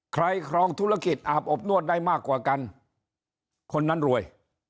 ครองธุรกิจอาบอบนวดได้มากกว่ากันคนนั้นรวย